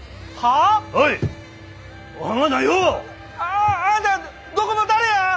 ああんたはどこの誰や！